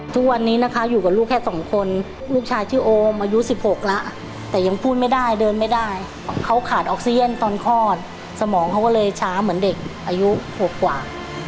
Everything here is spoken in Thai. ทุกวันนี้นะคะอยู่กับลูกแค่สองคนลูกชายชื่อโอมอายุ๑๖แล้วแต่ยังพูดไม่ได้เดินไม่ได้เขาขาดออกซีเย็นตอนคลอดสมองเขาก็เลยช้าเหมือนเด็กอายุ๖กว่า